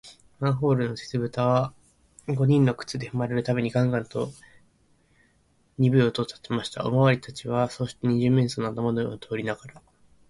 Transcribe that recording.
マンホールの鉄ぶたは、五人の靴でふまれるたびに、ガンガンとにぶい響きをたてました。おまわりさんたちは、そうして、二十面相の頭の上を通りながら、